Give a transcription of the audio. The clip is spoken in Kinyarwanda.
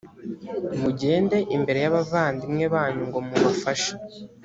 mugende imbere y’abavandimwe banyu ngo mubafashe,